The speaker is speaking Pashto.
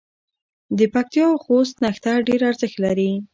د پکتیا او خوست نښتر ډېر ارزښت لري.